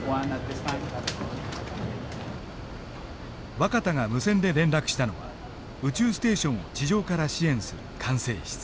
若田が無線で連絡したのは宇宙ステーションを地上から支援する管制室。